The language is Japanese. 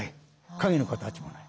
影も形もない。